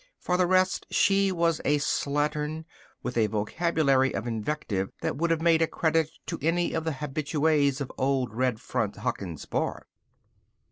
For the rest, she was a slattern, with a vocabulary of invective that would have been a credit to any of the habitues of old Red Front Huckins' bar.